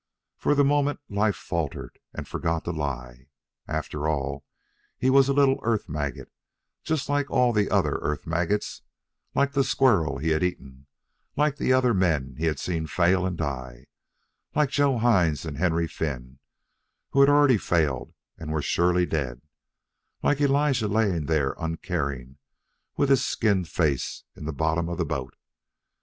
For the moment Life faltered and forgot to lie. After all, he was a little earth maggot, just like all the other earth maggots, like the squirrel he had eaten, like the other men he had seen fail and die, like Joe Hines and Henry Finn, who had already failed and were surely dead, like Elijah lying there uncaring, with his skinned face, in the bottom of the boat.